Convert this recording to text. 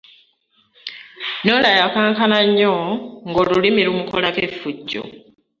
Norah yakankana nnyo nga olulimi lumukolako effujjo.